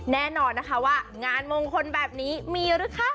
แน่นอนนะคะว่างานมงคลแบบนี้มีหรือคะ